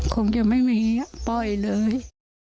คงจะไม่มีปล่อยเลย